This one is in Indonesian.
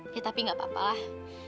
ya tapi gak apa apalah